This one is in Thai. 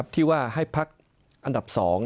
ที่ว่าให้พักอันดับ๒